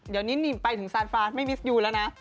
เดี๋ยวนิดหนึ่งไปถึงสานฟรานด์ไม่มิสต์ยูแล้วนะ